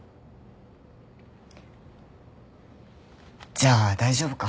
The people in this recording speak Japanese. じゃあ大丈夫か。